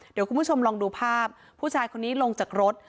เดี๋ยวคุณผู้ชมลองดูภาพผู้ชายคนนี้ลงจากรถ